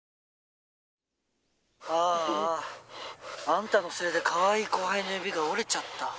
「あんたのせいでかわいい後輩の指が折れちゃった」